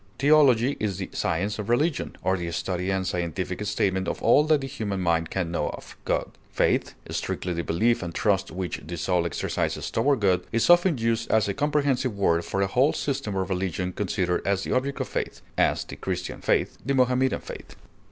Theology is the science of religion, or the study and scientific statement of all that the human mind can know of God. Faith, strictly the belief and trust which the soul exercises toward God, is often used as a comprehensive word for a whole system of religion considered as the object of faith; as, the Christian faith; the Mohammedan faith.